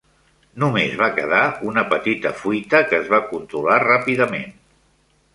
Només va quedar una petita fuita, que es va controlar ràpidament.